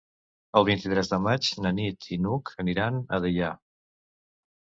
El vint-i-tres de maig na Nit i n'Hug aniran a Deià.